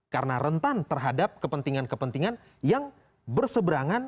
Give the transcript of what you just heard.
karena rentan terhadap kepentingan kepentingan yang berseberangan